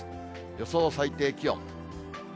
予想最低気温。